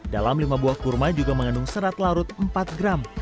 dalam lima buah kurma juga mengandung serat larut empat gram